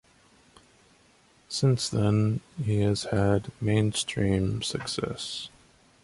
Since then he has had mainstream success.